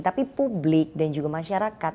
tapi publik dan juga masyarakat